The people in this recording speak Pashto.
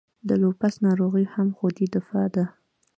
د لوپس ناروغي هم خودي دفاعي ده.